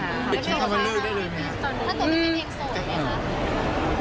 ไม่ได้หรอกค่ะถ้าตัวไม่เป็นเองโสดไงคะ